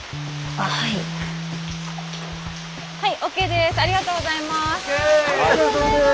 ありがとうございます。